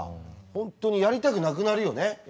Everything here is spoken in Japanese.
本当にやりたくなくなるよね。